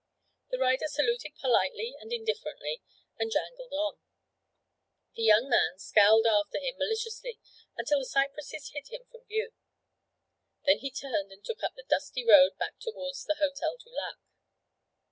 The rider saluted politely and indifferently, and jangled on. The young man scowled after him maliciously until the cypresses hid him from view; then he turned and took up the dusty road back towards the Hotel du Lac.